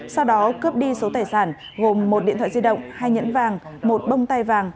sau đó cướp đi số tài sản gồm một điện thoại di động hai nhẫn vàng một bông tay vàng